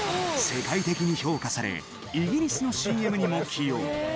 世界的に評価されイギリスのＣＭにも起用。